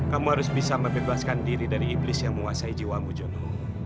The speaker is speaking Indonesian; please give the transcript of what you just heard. kamu harus bisa membebaskan diri dari iblis yang menguasai jiwamu jono